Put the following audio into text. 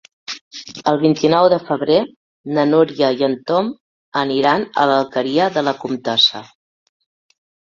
El vint-i-nou de febrer na Núria i en Tom aniran a l'Alqueria de la Comtessa.